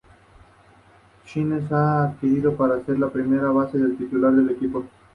Swisher fue adquirido para ser el primera base titular del equipo.